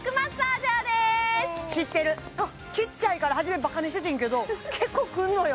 知ってるちっちゃいからはじめバカにしててんけど結構くんのよ